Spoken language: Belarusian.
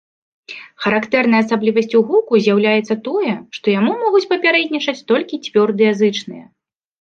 Характэрнай асаблівасцю гуку з'яўляецца тое, што яму могуць папярэднічаць толькі цвёрдыя зычныя.